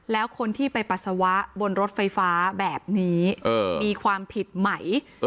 แล้วคนที่ไปปัสสาวะบนรถไฟฟ้าแบบนี้มีความผิดไหม